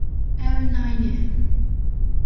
Ew nayîne.